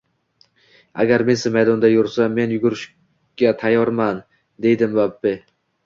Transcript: Agar Messi maydonda yursa, men yugurishga tayyorman!, — deydi Mbappe